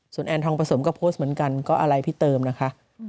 แอนทองประสมก็โพสต์เหมือนกันก็อะไรพี่เติมนะคะ